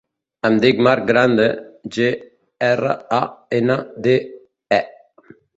Em dic Marc Grande: ge, erra, a, ena, de, e.